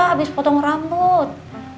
kamis potong rambut